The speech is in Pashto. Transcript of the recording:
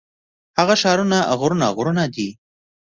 هغه ښارونه غرونه غرونه دي.